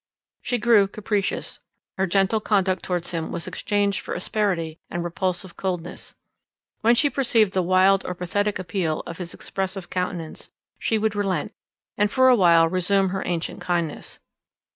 She grew capricious; her gentle conduct towards him was exchanged for asperity and repulsive coldness. When she perceived the wild or pathetic appeal of his expressive countenance, she would relent, and for a while resume her ancient kindness.